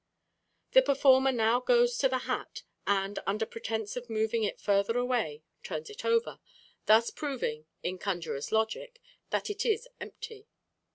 The performer now goes to the hat, and, under pretence of moving it further away, turns it over, thus proving, in conjurer's logic, that it is empty.